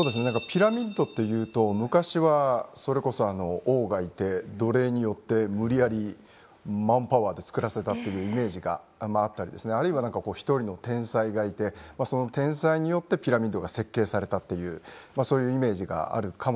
ピラミッドというと昔はそれこそ王がいて奴隷によって無理やりマンパワーで造らせたというイメージがあったりですねあるいは一人の天才がいてその天才によってピラミッドが設計されたというそういうイメージがあるかもしれないんですが。